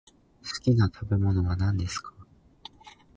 好きな食べ物は何ですか。